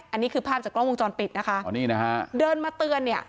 อันนี้คือภาพจากกล้องวงจรปิดนะคะอ๋อนี่นะฮะเดินมาเตือนเนี่ย